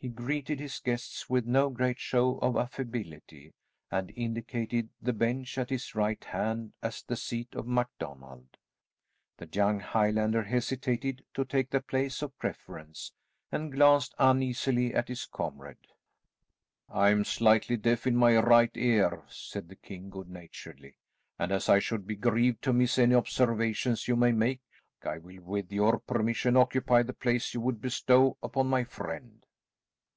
He greeted his guests with no great show of affability, and indicated the bench at his right hand as the seat of MacDonald. The young Highlander hesitated to take the place of preference, and glanced uneasily at his comrade. "I am slightly deaf in my right ear," said the king good naturedly, "and as I should be grieved to miss any observations you may make, I will, with your permission, occupy the place you would bestow upon my friend."